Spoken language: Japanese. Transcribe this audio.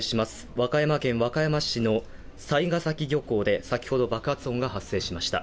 和歌山県和歌山市の雑賀崎漁港で、先ほど爆発音が発生しました